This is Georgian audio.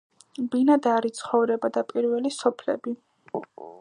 ბინადარი ცხოვრება და პირველი სოფლები